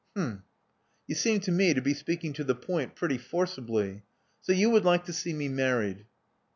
"Hm! You seem to me to be speaking to the point pretty forcibly. So you would like to see me married?"